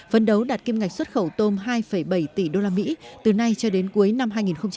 vân đấu đạt kim ngạch xuất khẩu tôm hai bảy tỷ usd từ nay cho đến cuối năm hai nghìn một mươi chín